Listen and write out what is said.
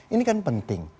ini kan penting